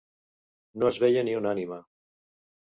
No es veia ni una ànima